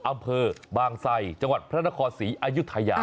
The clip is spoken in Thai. อำเภิร์บางไสยจังหวัดพระราชสี่อายุธัยา